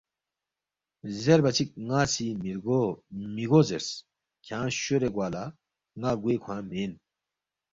‘ زیربا چِک ن٘ا سی مِہ گو زیرس، کھیانگ شورے گوا لا، ن٘ا گوے کھوانگ مین